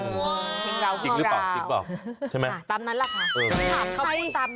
จริงหรือเปล่าจริงหรือเปล่าใช่ไหมตามนั้นแหละค่ะถามเขาตาม